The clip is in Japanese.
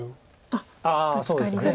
ああそうですね。